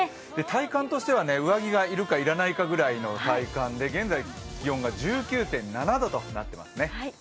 体感としては、上着がいるかいらないかぐらいの体感で現在、気温が１９．７度となってますね。